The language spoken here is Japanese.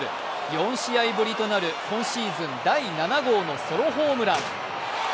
４試合ぶりとなる今シーズン第７号のソロホームラン。